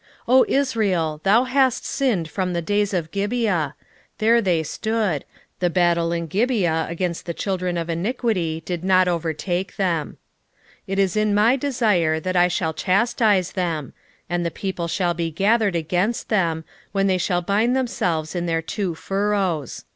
10:9 O Israel, thou hast sinned from the days of Gibeah: there they stood: the battle in Gibeah against the children of iniquity did not overtake them. 10:10 It is in my desire that I should chastise them; and the people shall be gathered against them, when they shall bind themselves in their two furrows.